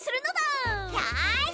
よし！